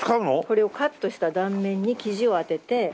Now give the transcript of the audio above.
これをカットした断面に生地を当てて手刷りで染めて。